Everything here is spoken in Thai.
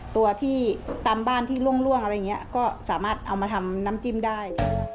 ตัวที่ตามบ้านที่ล่วงอะไรอย่างนี้ก็สามารถเอามาทำน้ำจิ้มได้